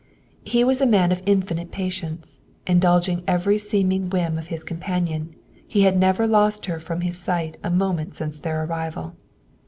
He was a man of infinite patience. Indulging every seeming whim of his companion, he had never lost her from his sight a moment since their arrival.